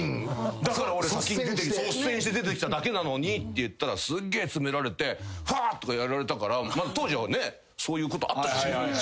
だから俺率先して出てきただけなのにって言ったらすげえ詰められてハッとかやられたから当時はねそういうことあった。